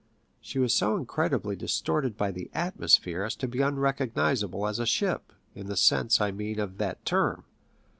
She was so incredibly distorted by the atmosphere as to be unrecognizable as a ship, in the sense, I mean, of that term.